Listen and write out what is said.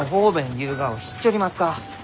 ゆうがを知っちょりますか？